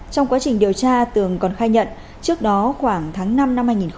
trong quá trình điều tra tường còn khai nhận trước đó khoảng tháng năm năm hai nghìn hai mươi